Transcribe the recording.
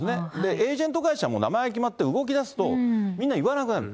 エージェント会社も名前が決まって動きだすと、みんな言わなくなる。